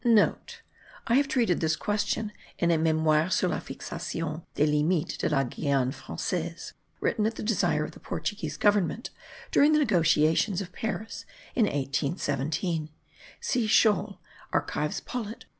*(* I have treated this question in a Memoire sur la fixation des limites de La Guyane Francaise, written at the desire of the Portuguese government during the negotiations of Paris in 1817. (See Schoell, Archives polit.